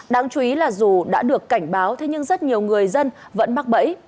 đáng chú ý là dù đã được cảnh báo thế nhưng rất nhiều người dân vẫn mắc bẫy